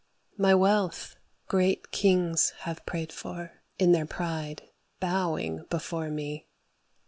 My wealth great kings have prayed for in their pride, Bowing before me.